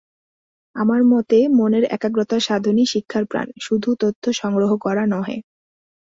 আমার মতে মনের একাগ্রতা-সাধনই শিক্ষার প্রাণ, শুধু তথ্য সংগ্রহ করা নহে।